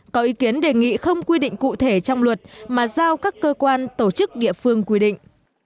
có ý kiến đề nghị không quy định cụ thể trong luật mà giao các cơ quan tổ chức địa phương quy định